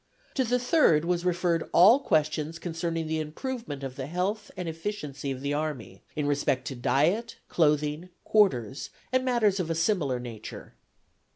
To the third was referred all questions concerning the improvement of the health and efficiency of the army in respect to diet, clothing, quarters and matters of a similar nature.